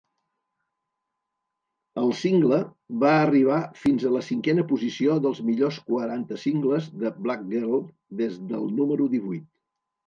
El single va arribar fins a la cinquena posició dels millors quaranta singles de BlackGirl, des del número divuit.